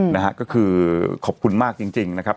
นะฮะก็คือขอบคุณมากจริงนะครับ